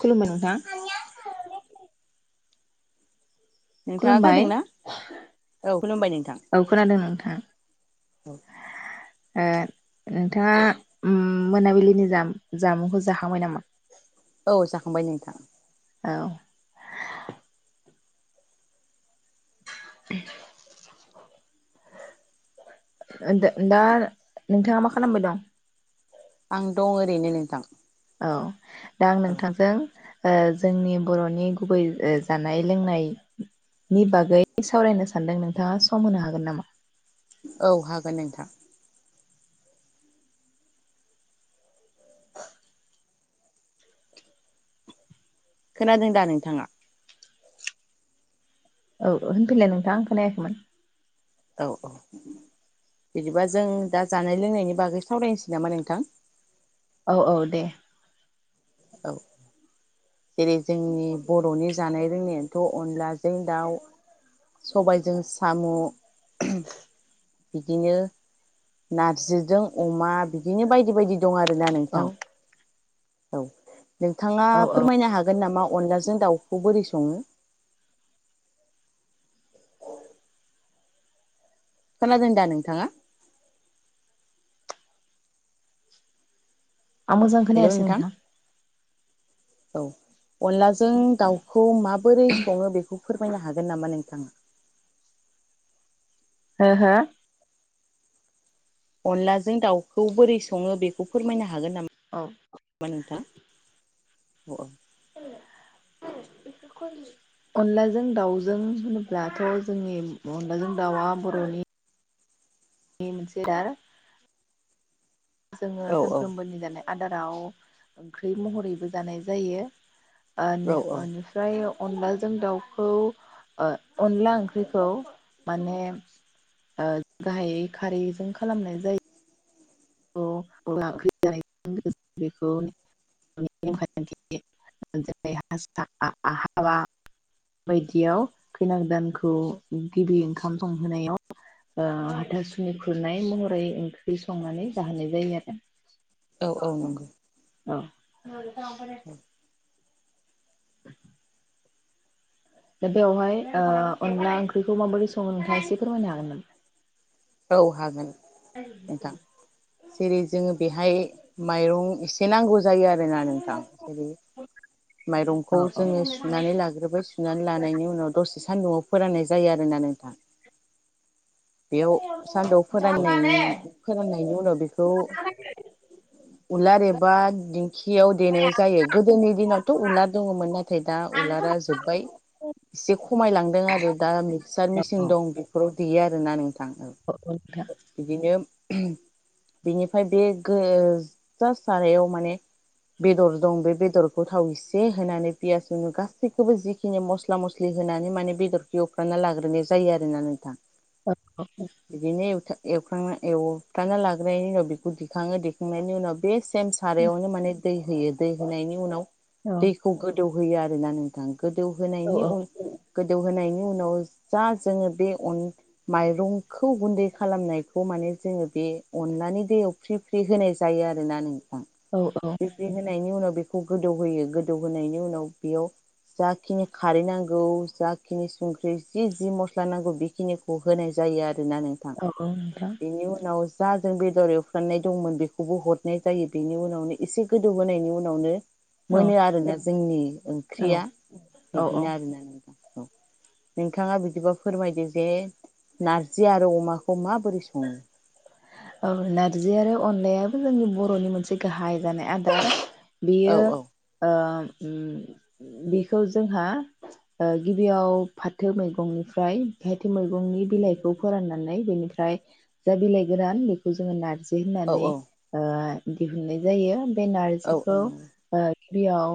खुलुमबाय नोंथां नोंथाङा खुलुमबाय खोनादोंना औ खुलुमबाय नोंथां औ खोनादों नोंथां ओ नोंथाङा ओम मोनाबिलिनि जाम जामुंखौ जाखांबाय नामा? औ जाखांबाय नोंथां। औ [inaudible] द-दा नोंथाङा मा खालामबाय दं? आं दं ओरैनो नोंथां। औ दा आं औ नोंथांजों ओ जोंनि बरनि गुबै ओ जानाय लोंनायनि बागै सावरायनो सानदों नोंथाङा सम होनो हागोन नामा? औ हागोन नोंथां। खोनादों दा नोंथाङा? औ होनफैलाय नोंथाङा आं खोनाया खैमोन? औ औ बिदिबा जों दा जानाय लोंनायनि बागै सावरायनोसै नामा नोंथां। औ औ दे। औ जेरै जोंनि बर'नि जानाय रोंनायानोथ अनलाजों दाउ सबायजों साम। बिदिनो नारजिजों अमा बिदिनो बायदि बायदि। दं आरोना औ नोंथां। औ। नोंथाङा औ औ फोरमायनो हागोन नामा। अनलाजों दाउखौ बोरै संङो। खोनादों दा नोंथाङा। आं मोजां खोनायासै नोंथां। औ। अनलाजों दाउखौ माबोरै सङो बेखौ। फोरमायनो हागोन नामा नोंथाङा। हो हो। अनलाजों दाउखौ बोरै सङो बेखौ फोरमायनो। हागोन नामा औ ना नोंथां। [unintelligible] [inaudible] अनलाजों दाउजों होनोब्लाथ' जोंनि अनलाजों दाउआ बर'नि। बे मोनसे [unintelligible] जोङो औ औ सानफ्रोमबोनि दानाय। आदाराव ओंख्रि महरैबो जानाय जायो। औ औ ओ निफ्राय। अनलाजों दाउखौ ओ अनला ओंख्रिखौ माने ओ गाहायै खारैजों खालामनाय जायो। [unintelligible] बायदियाव खैना गोदानखौ गिबि ओंखाम संहोनायाव ओ हाथासुनि खुरनाय महरै ओंख्रि संनानै। जाहोनाय जायो आरो। औ औ नंगौ। औ। [unintelligible] [unintelligible] दा बेवहाय ओ अनला ओंख्रिखौ माबोरै सङो नोंथाङा एसे फोरमायनो हागोन नामा। औ हागोन नोंथां जेरै जोङो बेहाय माइरं एसे। नांगौ। जायो आरोना नोंथां जेरै माइरंखौ जोङो हागोन नामा? औ सुनानै लाग्रोबाय सुनानै लानायनि उनाव दसे। सान्दुआव फोराननाय जायो आ। नोंथां। बेयाव। सानदौ फोरान फोराननायनि उनाव बेखौ उलार एबा दिंखियाव देनाय जायो गोदोनि दिनावथ' उलार दङमोन नाथाय दा उलारा जोब्बाय एसे खमायलांदों आरो दा मिक्सार मेसिन दं बेफोराव। देयो आरो ना नोंथां। [unintelligible] बेनिफ्राय बे गो ओ जा सारायाव माने बेदर दं बे बेदरखौ थाव एसे होनानै पियास होनु गासैखौबो जिखिनि मस्ला मस्लि होनानै माने बेदरखौ एवफ्रना लाग्रोनाय जायो आरोना नोंथां [unintelligible] एव एव एवफ्राना लाग्रोनायनि उनाव बेखौ दैखाङो दिखांनायनि उनाव बे सेम सारायावनो माने दै होयो दै होनायनि उनाव दैखौ गोदौ होयो आरोना नोंथां गोदौहोनायनि उन गोदौ होनायनि उनाव जा जोङो बे अन माइरं खौ गुन्दै खालामनायखौ माने जोङो बे अनलानि दैयाव फ्रि फ्रि होनाय जायो आरोना नों औ औ फ्रि फ्रि होनायनि उनाव बे बेखौ गोदौ होयो गोदौ होनायनि उनाव बेयाव जाखिनि खारै नांगौ जाखिनि संख्रि जि जि मस्ला नांगौ बेखिनिखौ होनाय जायो आरो गोना नोंथां औ नोंथां बेनि उनाव जा जों बेदर एवफ्राननाय दंमोन बेखौबो हरनाय जायो बेनि उनावनो एसे गोदौबोनायनि उनावनो औ मोनो आरोना जोंनि औ नोंथां औ ओंख्रिया औ औ बिदिनो आरोना नों औ नोंथाङा बिदिबा फोरमायदो जे नारजि जि आरो अमाखौ माबोरै सङो औ नारजि आरो अनलायाबो जोंनि बर'नि मोनसे गाहाय जानाय आदार औ बियो औ ओ ओम बेखौ जोंहा ओ गिबियाव फाथो मैगंनिफ्राय फाथो मैगंनि बिलाइखौ फोराननानै बेनिफ्राय जा बिलाइ गोरान बेखौ जोङो नारजि जि औ होननानै ओ दिहुननाय जायो बे औ औ नारजिखौ नंगौ ओ बियाव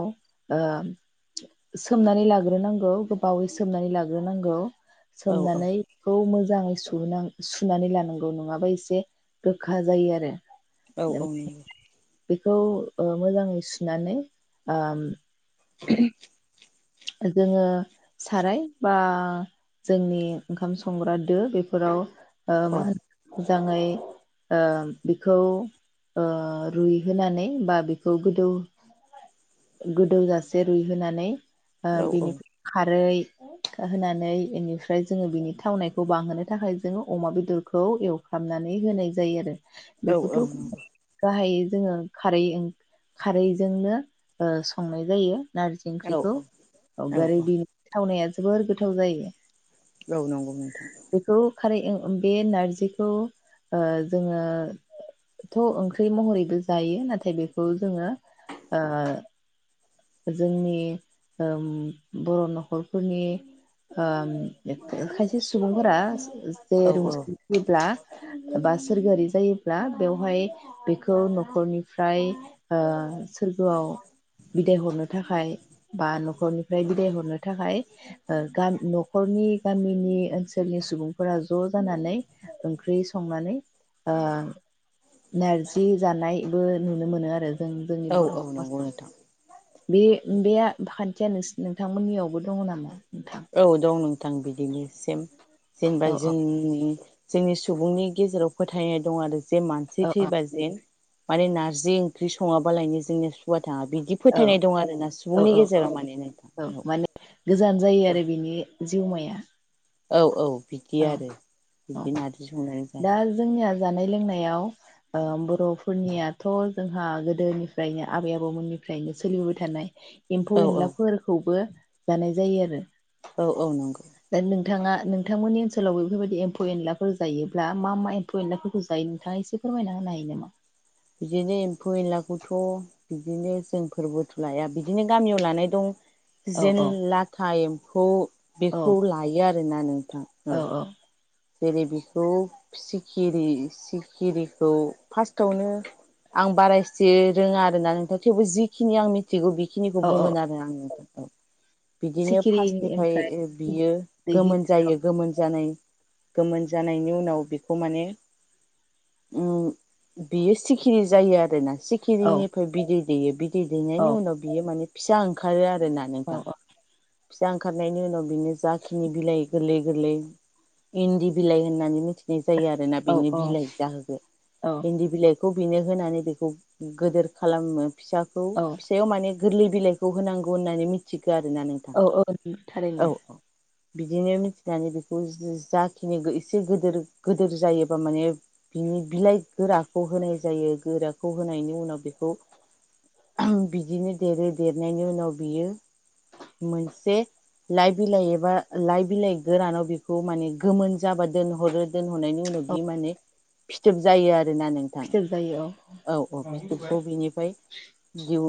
ओ सोमनानै लाग्रोनांगौ गोबावै सोमनानै लाग्रोनांगौ औ सोमनानैखौ मोज जाङै सुनां सुनानै लानांगौ नङाबा एस से गोखा जायो आरो औ औ नंगौ बेखौ ओ मोजाङै सुनानै ओम जोङो साराय बा जोंनि ओंखाम संग्रा दो बेफोराव ओम मा औ होन [unintelligible] जाङै ओ बेखौ ओ रुइहोनानै बा बेखौ गोदौ गोदौजासे रुइहोनानै ओ बेनिफ्राय खारै होनानै इनिफ्राय जोङो बिनि थावनायखौ बांहोनो थाखाय जोङो अमा बेदरखौ एवफ्रामनानै होनाय जायो आरो बेखौथ' गाहाय जोङो खारै ओं खारैजोंनो ओ संनाय जायो। नारजि औ ओंख्रिखौ। औ बोरै बि थावनाया जोबोर गोथाव जायो। औ नंगौ नोंथां। बेखौ खारै ओं बे नारजिखौ ओ जोङो थ'ओंख्रि महरैबो जायो नाथाय बेखौ जोङो ओ जोंनि ओम बर' न'खरफोरनि ओम। [inaudible] खायसे सुबुंफोरा औ [unintelligible] सोरगोआरि जायोब्ला बेवहाय बेखौ न'खरनि। फ्राय ओ सोरगोआव बिदाय हरनो थाखाय। बा न'खरनिफ्राय बिदाय हरनो थाखाय ओ गाम न'खरनि गामिनि ओनसोलनि सुबुं। फोरा ज' जानानै। ओंख्रि संनानै ओ नारजि जानाय। बो नुनो मोनो आरो। जों जोंनि औ बर' औ नंगौ समाजाव नोंथां बे बे। खान्थिया नोंसि नोंथांमोननियावबो दङ नामा। नोंथां औ दं नों। थां बिदिनो सेम। जेनेबा औ औ जोंनि जोंनि सुबुंनि गेजेराव। फोथायनाय दं आरो। जे मानसि औ औ थैबा जे। माने नारजि ओंख्रि सङाबालायनो जों वा थाङा बिदि औ फोथायनाय दं आरोना औ सुबुंनि औ औ गेजेराव माने औ नोंथां। माने गोजान जायो औ आरो बिनि। जिउमाया। औ औ। बिदि औ आरो औ बिदि नार्जि संनानै दा जायो। जोंनिया जानाय लोंनायाव ओ बर'फोरनियाथ' जोंहा गोदोनिफ्रायनो आबै आबौमोननिफ्रायनो सोलिबोबाय थानाय। एम्फौ औ औ एनलाफोरखौबो। जानाय जायो आरो। औ औ नंगौ। थाङा नोंथांमोननि। ओनसोलाव बेफोरबायदि एम्फौ एनलाफोर जायोब्ला मा मा एम्फौ एनलाफोरखौ जायो नोंथाङा एसे फोरमायना होनो हायो नामा। बिदिनो एम्फौ एनलाखौथ' बिदिनो जोंफोरबोथ' लाया बिदिनो गामियाव लानाय दं। औ जेन औ लाथा एम फौ औ बेखौ लायो आरो। दोननानै औ जेरै बेखौ सिखिरि सिखिरिखौ फार्स्टआवनो आं बाराएसे रोङा आरोना नोंथां थेवबो जिखिनि आं मिथि थिगौ बेखिनिखौ औ औ बुंगोन आरो आं नोंथां। औ बिदिनो सिखिरि ओमफ्राय फार्स्टनिफ्राय बियो दैहि गोमोन जायो गोमोन जानाय गोमोन जानायनि उनाव बेखौ माने बियो सिखिरि जायो आरो। औ सिखिरिनिफ्राय बिदै दैयो बि बिदै औ दैनायनि उनाव बियो माने फिसा ओंखारो आ रोना नोंथां। औ फिसा ओंखारनायनि उनाव बिनो जाखिनि बिलाइ गोरलै गोरलै इन्दि बिलाइ होननानै मिथि नाय जायो आरो ना औ बेनि बिलाइ जाहोखौ औ इन्दि बिलाइ खौ बेनो होनानै बेखौ गिदिर खालामो। फिसाखौ औ फिसायाव माने गोरलै बिलाइखौ होनांगौ होननानै मिथियो औ औ थारैनो। औ बिदिनो मिथिनानै बेखौ जाखिनि एसे गिदिर गिदिर जायोबा माने बिनि बिलाइ गोराखौ होनाय जायो गोराखौ होनायनि उनाव बेखौ बिदिनो देरो देरनायनि उनाव बियो मोनसे लाइ बिलाइ एबा लाइ बिलाइ गोरानाव बेखौ माने गोमोन जाबा दोनहरो। दोनहनायनि उनाव औ बियो माने फिथोब जायो आ रोना नोंथां फिथोब जायो औ औ फिथोबखौ बिनिफ्राय दिहु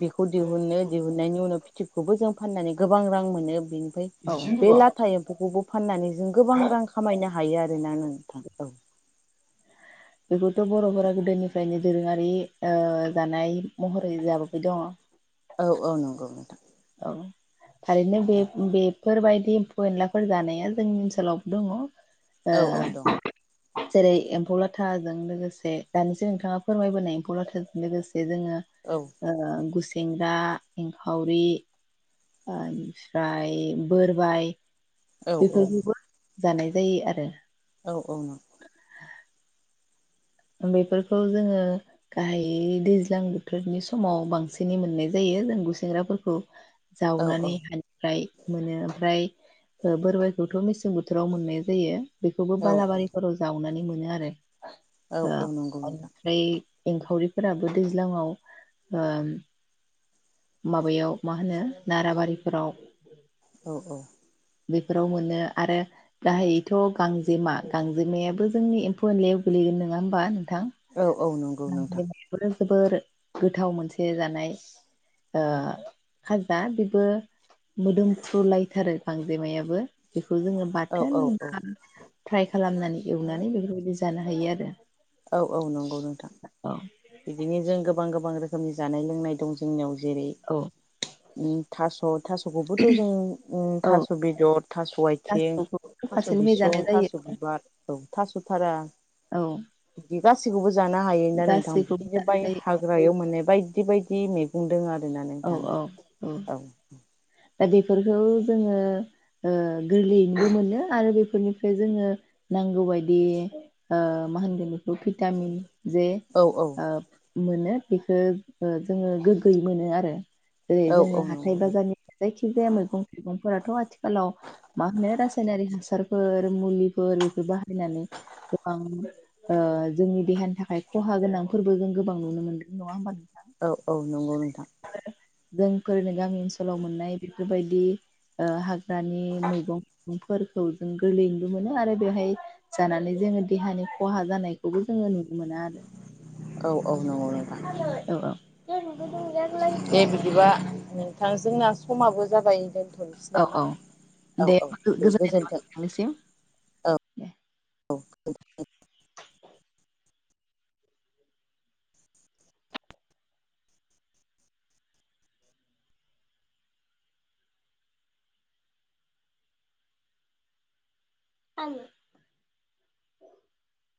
बेखौ दिहुनो दिहुननायनि उनाव फिथोबखौबो जों फाननानै गोबां रां मोनो। बेनि फ्राय औ बे औ लाथाय एमफौवखौबो फाननानै जो गोबां रां खामायनो हायो आरो ना नोंथां। औ बेखौथ' बरफोरा गोदोनिफ्रायनो दोरोङारि ओ दानाय महरै लाबोबाय दङ। औ औ नंगौ नोंथां। औ थारैनो बे बेफोरबायदि। एम्फौ-एनलाफोर जानाया जोंनि ओनसोलावबो दङ। औ औ दं। जेरै एम्फौ-लाथाजों लोगोसे दानिसो नोंथाङा फोरमायबोनाय एम्फौ लाथाजों लोगोसे - जे जोङो औ गुसें सेंग्रा, इंखावरि ओफ्राय बोरबाय औ औ बेफोरखौबो जानाय जायो आरो औ औ नंगौ। [inaudible] बेफोरखौ जोङो गाहायै दैज्लां-बोथोरनि समाव बांसिनै मोननाय जायो जों गुसेंग्राफोरखौ जावनानै औ हानिफ्राय मोनो ओमफ्राय बोरबायाइखौथ' मेसें बोथोराव मोननाय जायो। बेखौबो औ बालाबारिफोराव जावनानै मो नो आरो औ ओ औ नंगौ नोंथां ओमफ्राय एंखावरिफोराबो दैज्लाङाव ओ माबायाव मा होनो नाराबारिफोराव औ औ बेफोराव मोनो आरो गाहायैथ' गांजेमा गांजेमायाबो जोंनि एम्फौ एनलायाव गोग्लैगोन नङा होमबा नोंथां औ औ नंगौ नोंथां। बेफोरो जोबोर गोथाव मोनसे जानाय ओ खाजा बेबो मोदोमफ्रुलायथारो गांजेमायाबो बेखौ जोङो औ बाथोन औ औ फ्राय खालामनानै एवनानै बेफोरबायदि जा जानो हायो आरो औ औ नंगौ नोंथां बिदिनो जों गोबां गोबां रोखोमनि जानाय लोंनाय दं जोंनियाव जेरै औ औ उ थास थास'खौबोथ' जों ओ औ थास' बेदर, थास' आथिं, गासैखौबो थास' फारसेनिफ्राय बिसं, जानाय जायो थास' बिबार, औ थास' थारा औ बिदि गा सैखौबो जानो हायो ना गासैखौबो नोंथां। बाय जानाय जायो हाग्रायाव मोननाय बायदि बायदि मैगं दं आरो फैनानै औ थां औ औ दा बेफोरखौ जोङो ओ गोरलैयैनोबो मोनो आरो बेफोरनिफ्राय जोङो नांगौ बायदि ओ मा होनगोन बेखौ भिटामिन जे औ ओब मोनो बेखौ ओ जोङो गोगोयै मोनो आरो जेरै औ औ जोङो नंगौ हाथाय बाजारनि जेखि जाया मैगं थाइगंफोराथ' आथिखालाव मा होनो रासायनारि हासारफोर मुलिफोर बेफोर बाहायनानै गोबां ओ जोंनि देहानि थाखाय खहा गोनांफोरबो जों गोबां नुनो मोनदों नङा होमबा औ औ नंगौ नोंथां जोंफोरनो गामि ओनसोलाव मोननाय बेफोरबायदि ओ हा दानि मैगं मुंफोरखौ जों गोरलैयैनोबो मोनो आरो बेवहाय जानानै जोङो देहानि खहा जानायखौबो जोङो नुनो मोना आरो। औ औ औ दे बिदिबा नोंथां जोंना समाबो जाबाय [unintelligible] औ नामा औ औ दे औ गोजोननाय थाबाय गोजोन्थों औ नोंथांनिसिम। दे। औ [inaudible] [unintelligible]